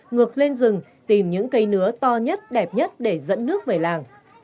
ngược lên rừng tìm những cây nứa to nhất đẹp nhất để dẫn nước về làng